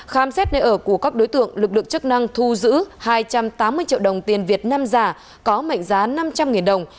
khám xét nơi ở của các đối tượng lực lượng chức năng thu giữ hai trăm tám mươi triệu đồng tiền việt nam giả có mệnh giá năm trăm linh đồng